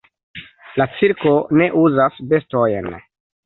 La cirko ne uzas bestojn.